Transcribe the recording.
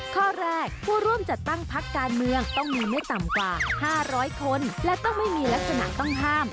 ข้อแรกผู้ร่วมจัดตั้งพักการเมืองต้องมีไม่ต่ำกว่า๕๐๐คนและต้องไม่มีลักษณะต้องห้าม